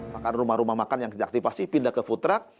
makanan rumah rumah makan yang diaktifasi pindah ke food truck